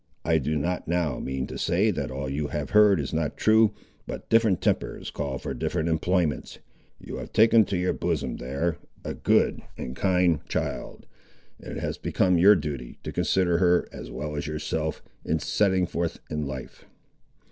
I do not now mean to say that all you have heard is not true, but different tempers call for different employments. You have taken to your bosom, there, a good and kind child, and it has become your duty to consider her, as well as yourself, in setting forth in life.